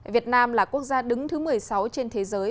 việt nam là quốc gia đứng thứ một mươi sáu trên thế giới